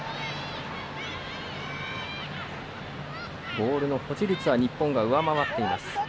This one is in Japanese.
ボールの保持率は日本が上回っています。